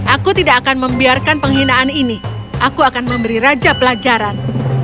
aku tidak akan membiarkan penghinaan ini aku akan memberi raja pelajaran